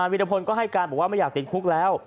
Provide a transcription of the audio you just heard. วิรพลก็ให้การบอกว่าไม่อยากติดคุกแล้ว